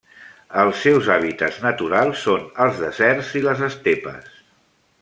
Els seus hàbitats naturals són els deserts i les estepes.